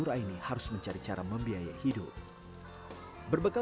makin banyak yang beli abonku